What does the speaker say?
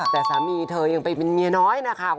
แต่สามีเธอยังไปเป็นเมียน้อยนะคะ